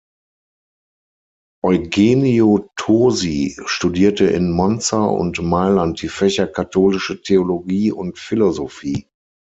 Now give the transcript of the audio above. Eugenio Tosi studierte in Monza und Mailand die Fächer Katholische Theologie und Philosophie.